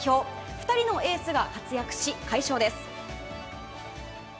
２人のエースが活躍し快勝です。